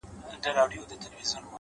• یوه بل ته چي ورکړي مو وه زړونه ,